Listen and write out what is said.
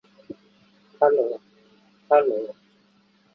ஆனால், அதீனா தேவி அவனுக்குத் தோன்றாத் துணையாயிருந்து உதவி வந்தாள்.